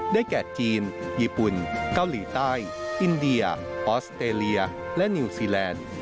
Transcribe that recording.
แก่จีนญี่ปุ่นเกาหลีใต้อินเดียออสเตรเลียและนิวซีแลนด์